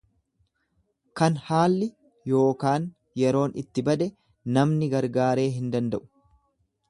Kan haalli yookaan yeroon itti bade namni gargaaree hin danda'u.